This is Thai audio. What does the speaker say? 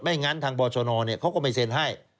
งั้นทางบรชนเขาก็ไม่เซ็นให้